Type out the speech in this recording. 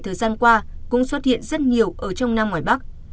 thời gian qua cũng xuất hiện rất nhiều ở trong nam ngoài bắc